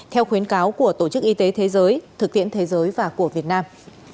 theo khuyến cáo của tổ chức y tế thế giới thực tiễn thế giới và của việt nam